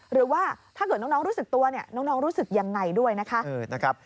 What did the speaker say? หรือว่าถ้าเกิดน้องรู้สึกตัวเนี่ยน้องรู้สึกยังไงด้วยนะคะ